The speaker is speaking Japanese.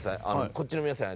こっちの皆さんに。